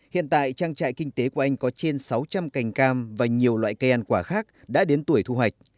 hiện tại trang trại kinh tế của anh có trên sáu trăm linh cành cam và nhiều loại cây ăn quả khác đã đến tuổi thu hoạch